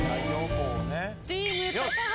チーム高畑